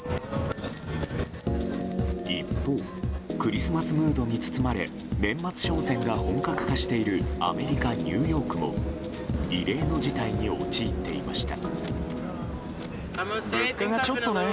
一方、クリスマスムードに包まれ年末商戦が本格化しているアメリカ・ニューヨークも異例の事態に陥っていました。